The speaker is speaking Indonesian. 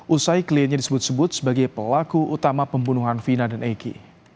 usai kliennya disebut sebut sebagai pelaku utama pembunuhan vina dan egy